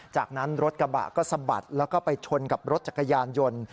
จากนั้นรถกระบะก็สะบัดแล้วก็ไปชนกับรถจักรยานยนต์